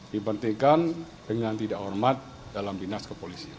diberhentikan dengan tidak hormat dalam dinas kepolisian